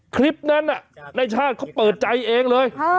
คลิปนั้นน่ะนายชานเข้าเปิดใจเองเลย